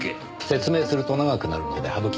説明すると長くなるので省きます。